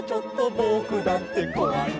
「ぼくだってこわいな」